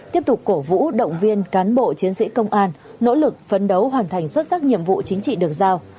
tiếp tục cổ vũ động viên cán bộ chiến sĩ công an nỗ lực phấn đấu hoàn thành xuất sắc nhiệm vụ chính trị được giao